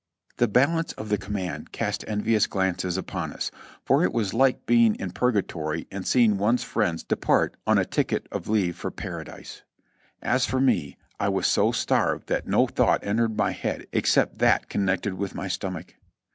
The balance of the command cast envious glances upon us, for it was like being in Purgatory and seeing one's friends depart on a ticket of leave for Paradise. As for me, I was so starved that no thought entered my head except that connected with my stom ach.